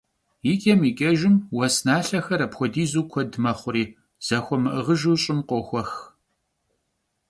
Yiç'em yiç'ejjım, vues nalhexer apxuedizu kued mexhuri, zaxuemı'ığıjjıfu, ş'ım khoxuex.